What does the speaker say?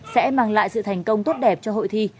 sẽ mang lại sự thành công tốt đẹp cho hội thi